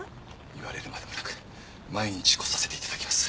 言われるまでもなく毎日来させて頂きます。